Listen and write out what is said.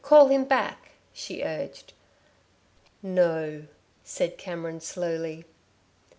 Call him back," she urged. "No," said Cameron slowly.